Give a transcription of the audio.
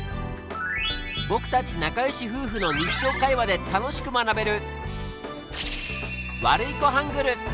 僕たち仲よし夫婦の日常会話で楽しく学べる